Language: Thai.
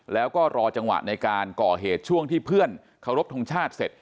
แล้วก็รอจังหวะในการก่อเหตุช่วงที่เพื่อนเคารพทงชาติเสร็จ